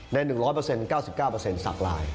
๑๐๐๙๙สักลาย